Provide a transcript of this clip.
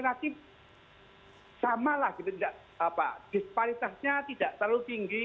disparitasnya tidak terlalu tinggi